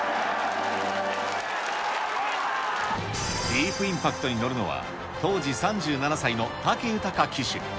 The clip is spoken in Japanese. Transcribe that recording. ディープインパクトに乗るのは、当時３７歳の武豊騎手。